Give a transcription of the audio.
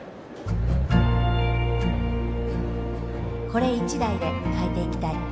これ一台で変えていきたい